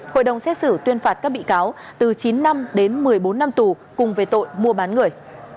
hội đồng xét xử tuyên phạt các bị cáo từ chín năm đến một mươi bốn năm tù cùng về tội mua bán người